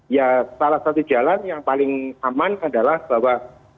ya salah satu jalan yang paling aman adalah bahwa